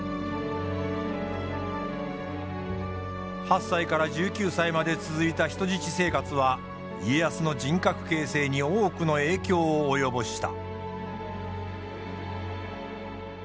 ８歳から１９歳まで続いた人質生活は家康の人格形成に多くの影響を及ぼした。